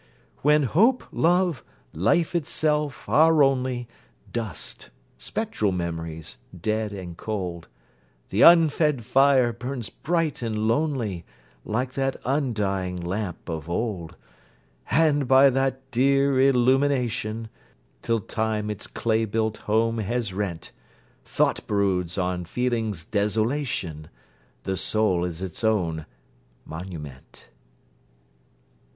When hope, love, life itself, are only Dust spectral memories dead and cold The unfed fire burns bright and lonely, Like that undying lamp of old: And by that drear illumination, Till time its clay built home has rent, Thought broods on feeling's desolation The soul is its own monument.